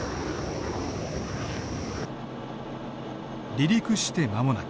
離陸して間もなく。